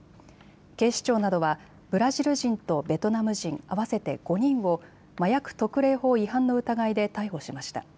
警視庁などはブラジル人とベトナム人合わせて５人を麻薬特例法違反の疑いで逮捕しました。